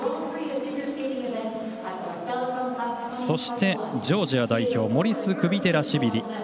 そして、ジョージア代表モリス・クビテラシビリ。